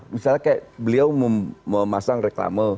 misalnya kayak beliau memasang reklama